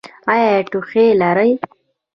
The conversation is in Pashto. ایا ټوخی لرئ؟